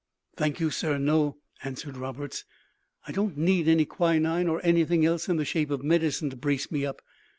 "Thank you, sir, no," answered Roberts; "I don't need any quinine, or anything else in the shape of medicine to brace me up.